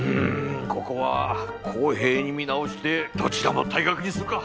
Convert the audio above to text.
ここは公平に見直してどちらも退学にするか。